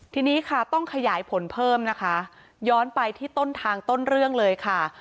ทีนี้ค่ะต้องขยายผลเพิ่มนะคะย้อนไปที่ต้นทางต้นเรื่องเลยค่ะ